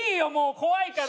怖いから。